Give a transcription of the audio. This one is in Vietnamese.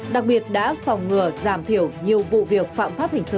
đặc biệt đã phòng ngừa giảm thiểu nhiều vụ việc phạm pháp hình sự